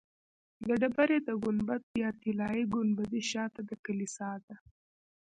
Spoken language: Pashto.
د ډبرې د ګنبد یا طلایي ګنبدې شاته د کلیسا ده.